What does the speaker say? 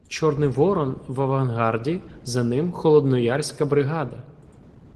Чорний Ворон — в авангарді, за ним — Холодноярська бригада.